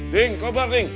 ding kobar ding